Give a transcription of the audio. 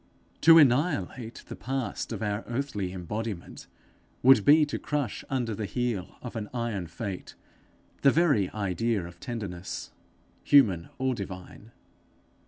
To annihilate the past of our earthly embodiment, would be to crush under the heel of an iron fate the very idea of tenderness, human or divine.